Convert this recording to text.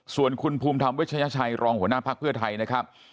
ส่วนคุณภูมิธรรมเวชยชัยรองหัวหน้าภักดิ์เพื่อไทยนะครับ